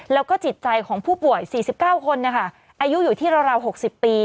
แล้วก็จิตใจของผู้ป่วย๔๙คนอายุอยู่ที่ราว๖๐ปี